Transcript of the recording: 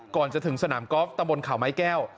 ก่อนจะถึงสนามกอล์ฟตะบนเขาไม้แก้ว